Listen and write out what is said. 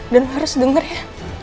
dan lo harus denger ya